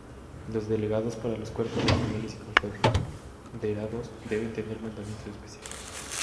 Los delegados para los cuerpos regionales y confederados deben tener mandamientos específicos.